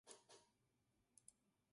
达尔比耶。